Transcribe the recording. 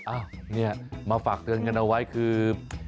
อ้าวเนี่ยมาฝากเตือนกันเอาไว้คือ